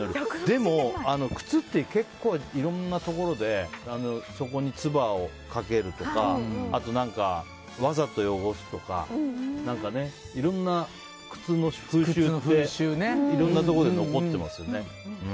でも、靴って結構いろんなところで底につばをかけるとかわざと汚すとかいろんなところに靴の風習って残っていますよね。